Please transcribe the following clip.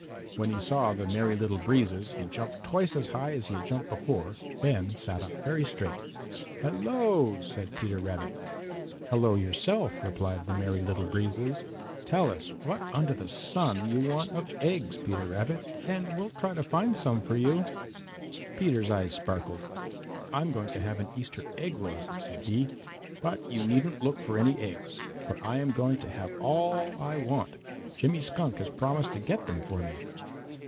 When he saw the Merry Little Breezes he jumped twice as high as he had jumped before, then sat up very straight. "Hello!" said Peter Rabbit. "Hello yourself," replied the Merry Little Breezes. "Tell us what under the sun you want of eggs, Peter Rabbit, and we'll try to find some for you." Peter's eyes sparkled. "I'm going to have an Easter egg rolling," said he, "but you needn't look for any eggs, for I am going to have all I want; Jimmy Skunk has promised to get them for me."